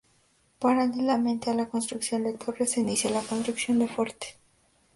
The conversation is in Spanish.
Paralelamente a la construcción de torres, se inicia la construcción de fuertes.